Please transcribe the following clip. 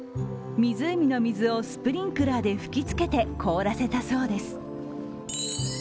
湖の水をスプリンクラーで吹きつけて凍らせたそうです。